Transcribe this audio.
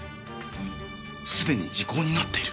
すでに時効になっている！